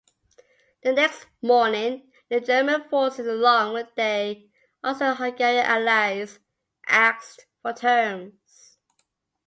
The next morning, the German forces, along with their Austro-Hungarian allies, asked for terms.